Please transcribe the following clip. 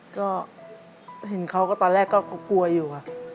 ก็เห็นเค้าตอนแรกก็กลัวอยู่